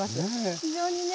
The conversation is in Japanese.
非常にね